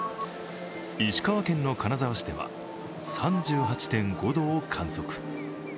石川県の金沢市では３８．５度を観測。